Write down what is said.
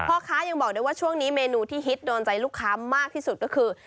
พ่อค้ายังบอกได้ว่าช่วงนี้เมนูที่ฮิตโดนใจลูกค้ามากที่สุดก็คือ